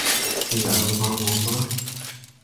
কী আনন্দঘন মুহূর্ত না?